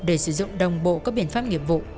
để sử dụng đồng bộ các biện pháp nghiệp vụ